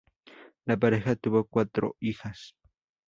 La pareja tuvo cuatro hijas.